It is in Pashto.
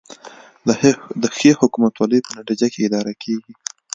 د ښې حکومتولې په نتیجه کې اداره کیږي